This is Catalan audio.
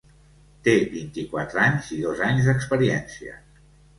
Te vint-i-quatre anys i dos anys d'experiència.